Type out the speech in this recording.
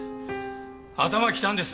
頭きたんです。